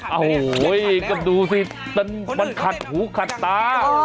โอ้โหก็ดูสิมันขัดหูขัดตา